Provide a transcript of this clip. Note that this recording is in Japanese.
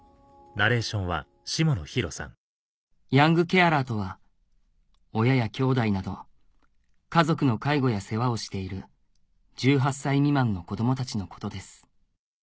ヤングケアラーとは親やきょうだいなど家族の介護や世話をしている１８歳未満の子どもたちのことです